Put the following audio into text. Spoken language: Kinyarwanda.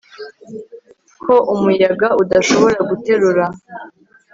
ko umuyaga udashobora guterura